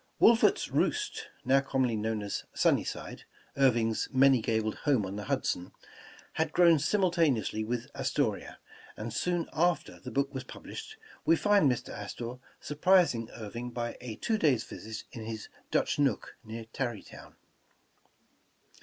"Wolfert's Roost," now commonly known as Sun nyside, Irving 's many gabled home on the Hudson, had grown simultaneously with "Astoria", and soon after the book was published, we find Mr. Astor surprising 289 The Original John Jacob Astor Irving by a two days' visit in his ''Dutch nook" near Tarrytown.